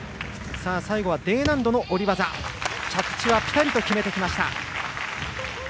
最後はＤ難度の下り技着地はピタリと決めてきました。